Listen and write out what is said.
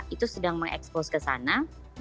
itu sedang mengekspos ke sana